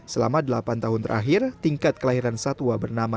selama delapan tahun terakhir tingkat kelahiran satwa bernama